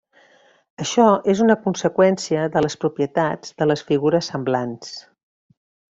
Això és una conseqüència de les propietats de les figures semblants.